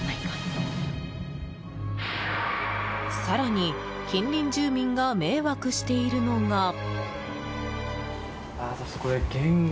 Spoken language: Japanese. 更に、近隣住民が迷惑しているのが。